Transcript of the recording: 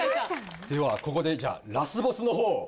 ではここでじゃあラスボスの方を。